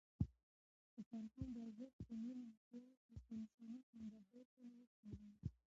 د فرهنګ ارزښت په مینه، اخلاص او په انساني همدردۍ کې نغښتی دی.